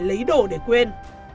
để lấy đồ để quên